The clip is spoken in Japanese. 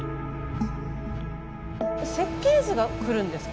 設計図が来るんですか？